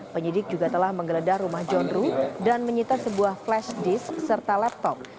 penyidik juga telah menggeledah rumah john ruh dan menyita sebuah flash disk serta laptop